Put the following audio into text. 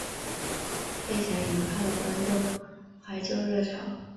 费翔引发了观众怀旧热潮。